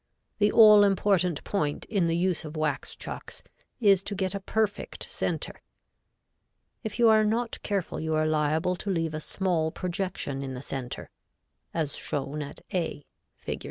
The all important point in the use of wax chucks is to get a perfect center. If you are not careful you are liable to leave a small projection in the center as shown at A, Fig.